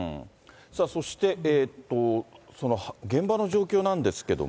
そして、現場の状況なんですけれども。